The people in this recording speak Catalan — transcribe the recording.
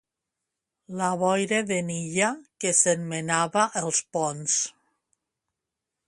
La boira de n'Illa, que se'n menava els ponts.